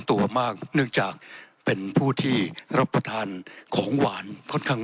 ตัวมากเนื่องจากเป็นผู้ที่รับประทานของหวานค่อนข้าง